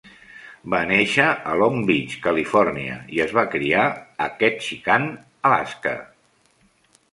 Va néixer a Long Beach, Califòrnia i es va criar a Ketchikan, Alaska.